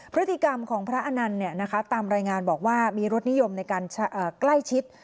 พฤติกรรมของพระอนันต์ตามรายงานบอกว่ามีรสนิยมในการใกล้ชิด